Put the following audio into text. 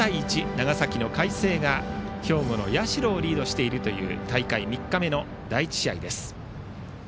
長崎の海星が兵庫の社をリードしているという大会３日目の第１試合です。